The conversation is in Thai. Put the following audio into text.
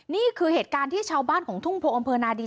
นี่คือเหตุการณ์ที่ชาวบ้านของทุ่งโพอำเภอนาดี